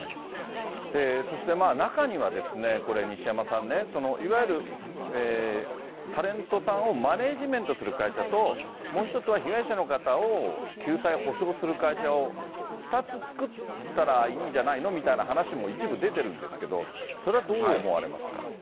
そして中にはこれ、西山さんね、いわゆるタレントさんをマネージメントする会社と、もう１つは被害者の方を救済、補償する会社を２つ作ったらいいんじゃないのみたいな話も一部出てるんですけど、それはどう思われますか。